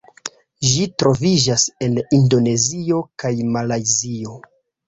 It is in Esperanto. Ĝi troviĝas en Indonezio kaj Malajzio.